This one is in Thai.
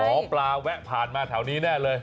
หมอปลาแวะผ่านมาแถวนี้แน่เลย